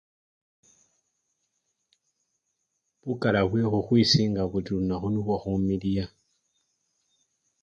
Bukala bwekhukhwisinga buli lunakhu, nikhwo khumiliya.